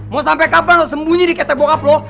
mau sampai kapan lo sembunyi di ketep bokap lo